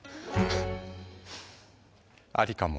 ありかも。